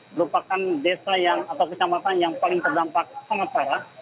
merupakan desa yang atau kecamatan yang paling terdampak sangat parah